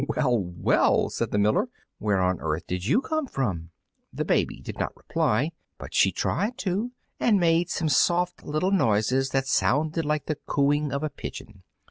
"Well, well!" said the miller, "where on earth did you come from?" The baby did not reply, but she tried to, and made some soft little noises that sounded like the cooing of a pigeon.